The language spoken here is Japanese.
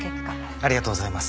ありがとうございます。